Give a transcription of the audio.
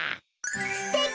すてき！